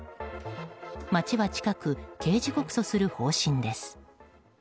町は近く、刑事告訴する方針です。